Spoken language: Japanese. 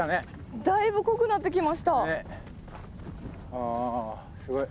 あすごい。